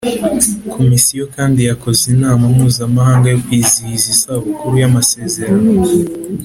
Komisiyo kandi yakoze inama mpuzamahanga yo kwizihiza isabukuru ya y Amasezerano